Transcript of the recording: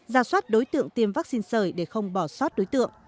ra soát đối tượng tiêm vaccine sởi để không bỏ sót đối tượng